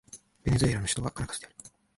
ベネズエラの首都はカラカスである